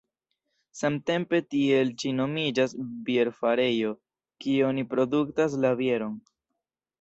Samtempe tiel ĉi nomiĝas bierfarejo, kie oni produktas la bieron.